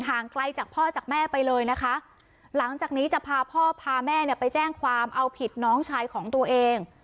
ไกลจากพ่อจากแม่ไปเลยนะคะหลังจากนี้จะพาพ่อพาแม่เนี่ยไปแจ้งความเอาผิดน้องชายของตัวเอง